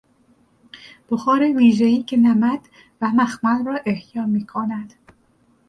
بخار ویژهای که نمد و مخمل را احیا میکند